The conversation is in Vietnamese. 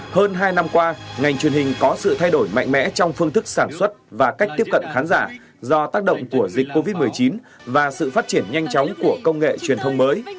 hơn hai năm qua ngành truyền hình có sự thay đổi mạnh mẽ trong phương thức sản xuất và cách tiếp cận khán giả do tác động của dịch covid một mươi chín và sự phát triển nhanh chóng của công nghệ truyền thông mới